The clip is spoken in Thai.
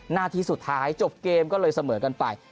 นาทีสุดท้ายจบเกมก็เลยเสมอกันไป